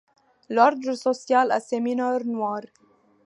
L’ordre social a ses mineurs noirs.